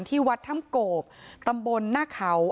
ที่วัดธรรมโกบตำบลนะเกลา